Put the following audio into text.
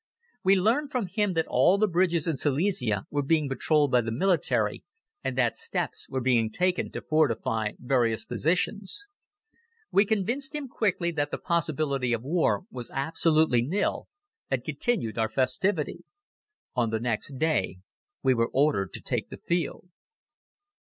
We learned from him that all the bridges in Silesia were being patrolled by the military and that steps were being taken to fortify various positions. We convinced him quickly that the possibility of war was absolutely nil and continued our festivity. On the next day we were ordered to take the field.